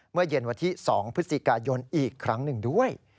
เมื่อเย็นวันที่๒พฤศจิกายนอีกครั้งหนึ่งด้วย